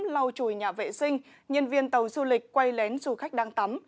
lau chùi nhà vệ sinh nhân viên tàu du lịch quay lén du khách đang tắm